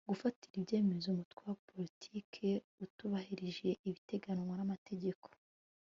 gufatira ibyemezo umutwe wa politiki utubahirije ibiteganywa n'amategeko